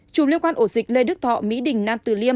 một mươi chủng liên quan ổ dịch lê đức thọ mỹ đình nam từ liêm hai